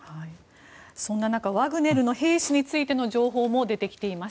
そんな中ワグネルの兵士についての情報も出てきています。